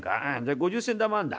５０銭玉あるんだ。